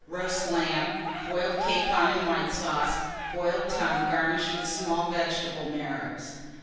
Roast Lamb. Boiled Capon and White Sauce. Boiled Tongue, garnished with small Vegetable Marrows.